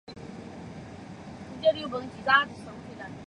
黄胸鹬为鹬科滨鹬属下的一个种。